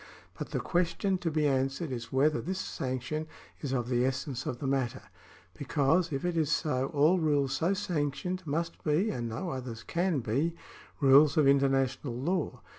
But the question to be answered is whether this sanction is of the essence of the matter ; because, if it is so, all rules so sanctioned must be, and no others can be, rules of international law.